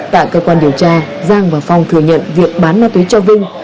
tại cơ quan điều tra giang và phong thừa nhận việc bán ma túy cho vinh